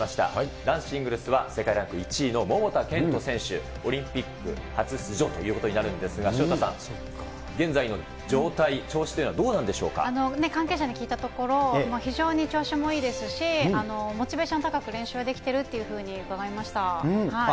男子シングルスは世界ランク１位の桃田賢斗選手、オリンピック初出場ということになるんですが、潮田さん、現在の状態、調子とい関係者に聞いたところ、非常に調子もいいですし、モチベーション高く練習はできてるというふうに伺いました。